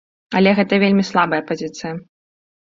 Але гэта вельмі слабая пазіцыя.